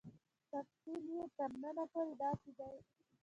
تفصیل یې تر نن پورې داسې دی.